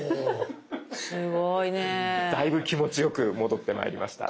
だいぶ気持ちよく戻ってまいりました。